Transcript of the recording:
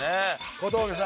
小峠さん